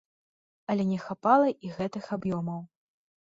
Але не хапала і гэтых аб'ёмаў.